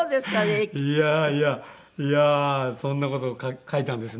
いやいやいやあそんな事を書いたんですね。